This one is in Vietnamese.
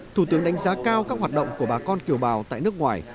thủ tướng đánh giá cao các hoạt động của bà con kiều bào tại nước ngoài